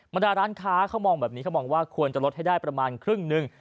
ดาร้านค้าเขามองแบบนี้เขามองว่าควรจะลดให้ได้ประมาณครึ่งหนึ่ง